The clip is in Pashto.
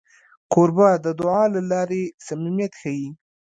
کوربه د دعا له لارې صمیمیت ښيي.